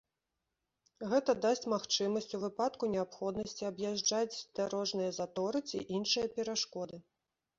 Гэта дасць магчымасць у выпадку неабходнасці аб'язджаць дарожныя заторы ці іншыя перашкоды.